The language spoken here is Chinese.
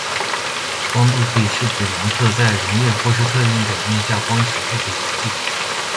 光度计是指量测在溶液或是特定表面下光强度的仪器。